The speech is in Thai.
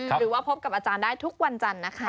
หรือว่าพบกับอาจารย์ได้ทุกวันจันทร์นะคะ